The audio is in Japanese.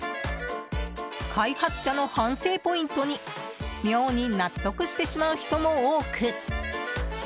開発者の反省ポイントに妙に納得してしまう人も多く。